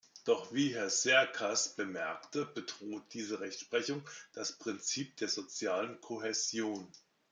Doch wie Herr Cercas bemerkte, bedroht diese Rechtsprechung das Prinzip der sozialen Kohäsion.